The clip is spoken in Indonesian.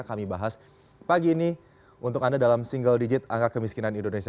kami bahas pagi ini untuk anda dalam single digit angka kemiskinan indonesia